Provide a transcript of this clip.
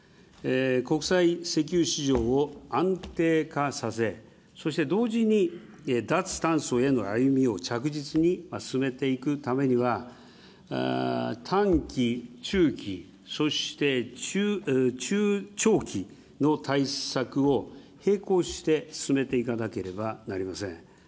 国際石油市場を安定化させ、そして同時に、脱炭素への歩みを着実に進めていくためには、短期、中期、そして中長期の対策を並行して進めていかなければなりません。